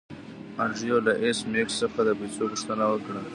انډریو له ایس میکس څخه د پیسو پوښتنه وکړه